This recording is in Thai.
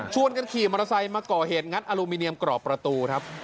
กันขี่มอเตอร์ไซค์มาก่อเหตุงัดอลูมิเนียมกรอบประตูครับ